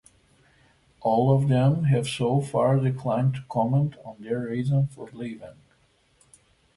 All of them have so far declined to comment on their reasons for leaving.